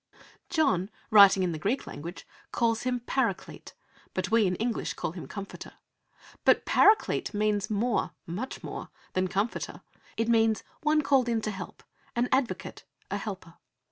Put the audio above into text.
John, writing in the Greek language, calls Him "Paraclete," but we in English call Him Comforter. But Paraclete means more, much more than Comforter. It means "one called in to help: an advocate, a helper."